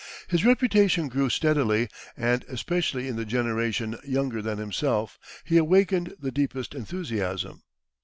His reputation grew steadily, and, especially in the generation younger than himself, he awakened the deepest enthusiasm.